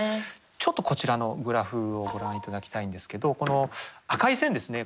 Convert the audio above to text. ちょっとこちらのグラフをご覧いただきたいんですけどこの赤い線ですね。